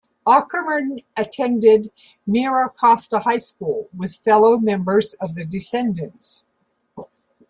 Aukerman attended Mira Costa High School, with fellow members of the Descendents.